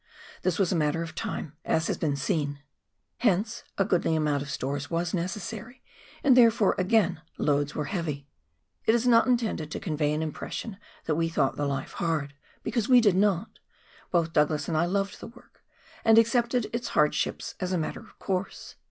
This was a matter of time, as has been seen ; hence a goodly amount of stores was necessary, and therefore, again, loads were heav}\ It is not intended to convey an impression that we thought the life hard, because we did not — both Douglas and I loved the work, and accepted its hardships as a matter of course.